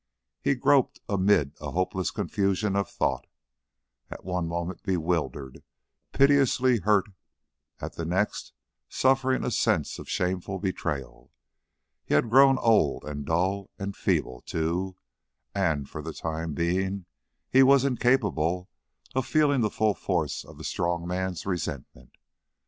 He groped amid a hopeless confusion of thought at one moment bewildered, piteously hurt, at the next suffering a sense of shameful betrayal. He had grown old and dull and feeble, too, and for the time being he was incapable of feeling the full force of a strong man's resentment.